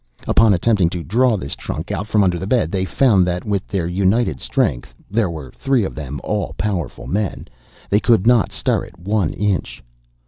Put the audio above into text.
Upon attempting to draw this trunk out from under the bed, they found that, with their united strength (there were three of them, all powerful men), they 'could not stir it one inch.